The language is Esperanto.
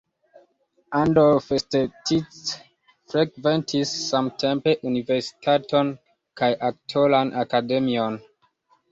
Andor Festetics frekventis samtempe universitaton kaj aktoran akademion.